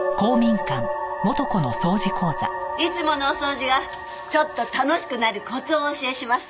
いつものお掃除がちょっと楽しくなるコツをお教えします。